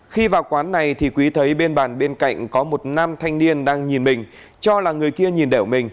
khi vào quán này thì quý thấy bên bàn bên cạnh có một nam thanh niên đang nhìn mình cho là người kia nhìn đẻo mình